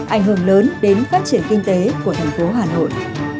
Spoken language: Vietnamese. ảnh hưởng lớn đến phát triển kinh tế của thành phố hà nội